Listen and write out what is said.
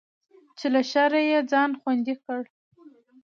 چې له شره يې ځان خوندي کړي.